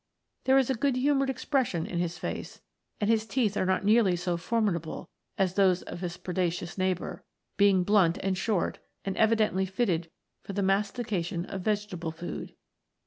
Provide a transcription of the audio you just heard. There is a good humoured expression in his face, and his teeth are not nearly so formidable as those of his predacious neighbour, being blunt and short, and evidently fitted for the mastication of vegetable food.